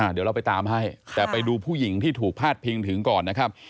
เดี๋ยวเราไปตามให้แต่ไปดูผู้หญิงที่ถูกพาดพิงถึงก่อนนะครับ